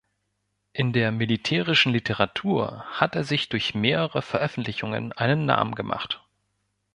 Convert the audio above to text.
In der militärischen Literatur hat er sich durch mehrere Veröffentlichungen einen Namen gemacht.